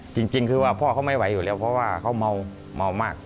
จริงคือว่าพ่อเขาไม่ไหวอยู่แล้วเพราะว่าเขาเมามาก